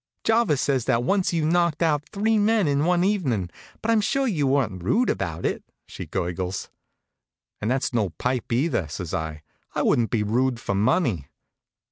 "Jarvis says that once you knocked out three men in one evening; but I'm sure you weren't rude about it," she gurgles. "And that's no pipe, either," says I. "I wouldn't be rude for money."